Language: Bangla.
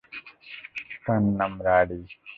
তার নাম রাভি।